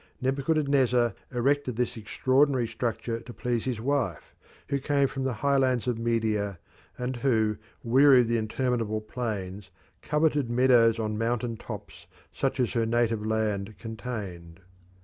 Nebuchadnezzar erected this extraordinary structure to please his wife, who came from the highlands of Media, and who, weary of the interminable plains, coveted meadows on mountain tops such as her native land contained.